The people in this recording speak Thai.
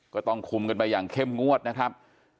ก็ต้องคุมกันไปอย่างเข้มงวดนะครับ